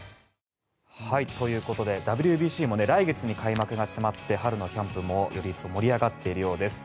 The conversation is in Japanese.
ということでＷＢＣも来月に開幕が迫って春のキャンプもより一層盛り上がっているようです。